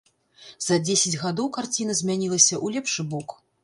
За дзесяць гадоў карціна змянілася ў лепшы бок.